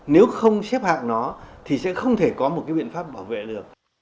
nếu không xếp hạng nó thì sẽ không thể có một cái biện pháp bảo vệ được